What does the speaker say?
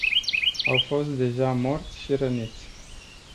Au fost deja morți și răniți.